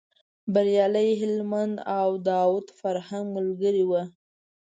بریالی هلمند او داود فرهنګ ملګري و.